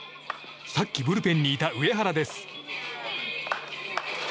さっきブルペンにいた上原です。